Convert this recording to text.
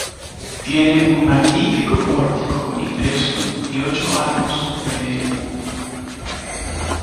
Tiene un magnífico pórtico con ingreso y ocho arcos de medio punto.